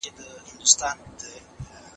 چي عطار هر څه شکري ورکولې